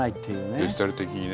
デジタル的にね。